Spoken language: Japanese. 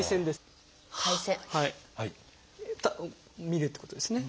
見るってことですね。